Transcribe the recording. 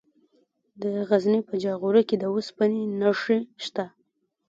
د غزني په جاغوري کې د اوسپنې نښې شته.